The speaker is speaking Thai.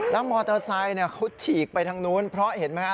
แล้วมอเตอร์ไซค์เขาฉีกไปทางนู้นเพราะเห็นไหมฮะ